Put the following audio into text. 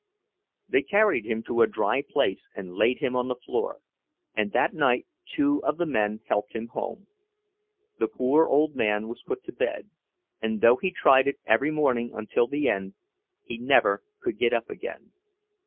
They carried him to a dry place and laid him on the floor, and that night two of the men helped him home. The poor old man was put to bed, and though he tried it every morning until the end, he never could get up again.